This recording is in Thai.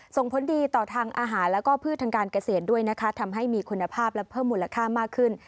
ส่งผลดีต่อทางอาหารแล้วก็พืชทางการเกษตรด้วยนะคะทำให้มีคุณภาพและเพิ่มมูลค่ามากขึ้น